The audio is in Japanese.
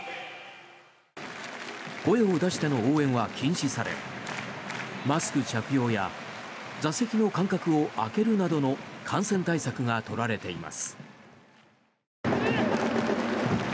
声を出しての応援は禁止されマスク着用や座席の間隔を空けるなどの感染対策が取られています。